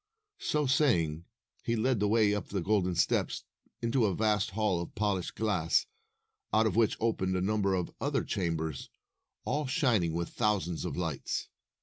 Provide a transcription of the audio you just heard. So saying, he led the way up the golden steps into a vast hall of polished glass, out of which opened a number of other chambers, all shining with thousands of lights.